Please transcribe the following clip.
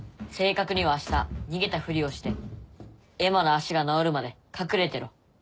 正確にはあした逃げたふりをしてエマの足が治るまで隠れてろ。